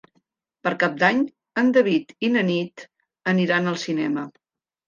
Per Cap d'Any en David i na Nit aniran al cinema.